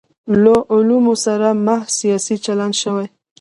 له علومو سره محض سیاسي چلند شوی.